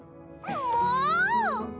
もう！